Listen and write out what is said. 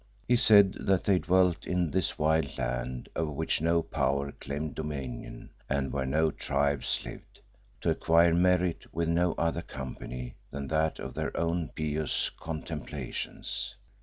He said that they dwelt in this wild land, over which no power claimed dominion and where no tribes lived, to acquire "merit," with no other company than that of their own pious contemplations.